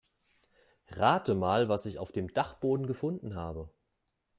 Rate mal, was ich auf dem Dachboden gefunden habe.